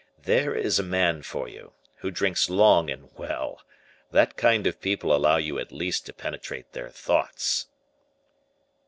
There is a man for you, who drinks long and well! That kind of people allow you at least to penetrate their thoughts."